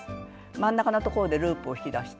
真ん中のところでループを引き出して。